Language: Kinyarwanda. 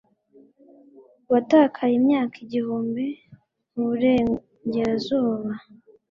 watakaye imyaka igihumbi muburengerazuba